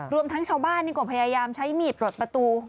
รวมทั้งชาวบ้านนี่ก็พยายามใช้มีดปลดประตู